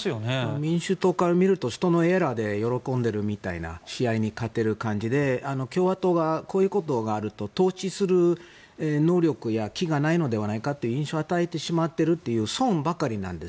民主党から見ると人のエラーで喜んでいる試合を見ているような感じで共和党がこういうことがあると統治する能力や気がないのではないかという印象を与えてしまっているという損ばかりなんです。